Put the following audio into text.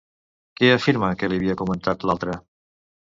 Què afirma que li havia comentat, l'altra?